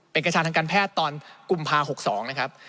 เป็นกระชาทางการแพทย์ตอนกุมภา๖๒นะครับ